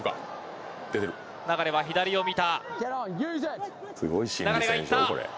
流は左を見た。